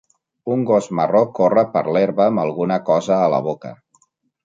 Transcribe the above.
Un gos marró corre per l'herba amb alguna cosa a la boca